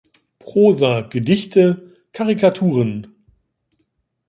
Prosa, Gedichte, Karikaturen.